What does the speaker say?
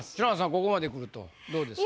ここまでくるとどうですか？